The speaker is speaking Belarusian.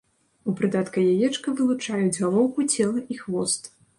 У прыдатка яечка вылучаюць галоўку, цела і хвост.